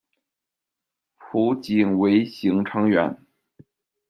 浦井唯行成员。